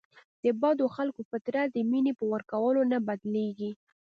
د بدو خلکو فطرت د مینې په ورکولو نه بدلیږي.